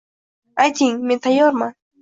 Ayting, Men tayyorman